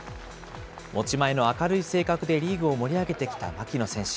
持ち前の明るい性格でリーグを盛り上げてきた槙野選手。